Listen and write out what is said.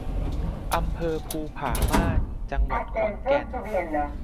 อำเภอภูผาม่าน จังหวัดขอนแก่น